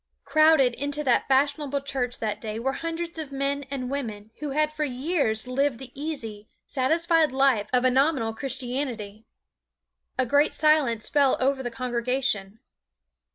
Crowded into that fashionable church that day were hundreds of men and women who had for years lived the easy, satisfied life of a nominal Christianity. A great silence fell over the congregation.